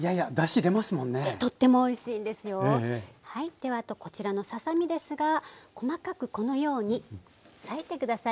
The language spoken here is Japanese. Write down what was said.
ではあとこちらのささ身ですが細かくこのように裂いて下さい。